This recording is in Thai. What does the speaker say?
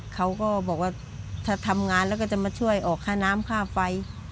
เขาก็บอกว่าถ้าทำงานแล้วก็จะมาช่วยออกค่าน้ำค่าไฟ